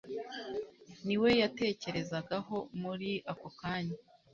Niwe yatekerezagaho muri ako kanya.